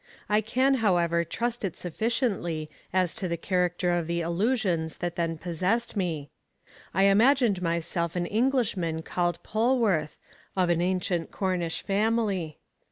I can however trust it sufficiently as to the character of the illusions that then possessed me. I imagined myself an Englishman called Polwarth, of an ancient Cornish family.